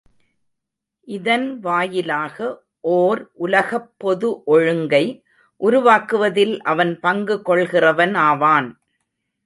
இதன் வாயிலாக ஓர் உலகப் பொது ஒழுங்கை உருவாக்குவதில் அவன் பங்கு கொள்கிறவன் ஆவான்.